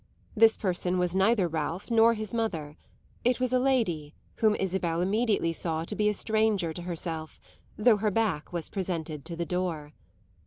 This person was neither Ralph nor his mother; it was a lady whom Isabel immediately saw to be a stranger to herself, though her back was presented to the door.